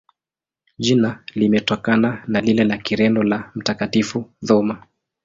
Jina limetokana na lile la Kireno la Mtakatifu Thoma.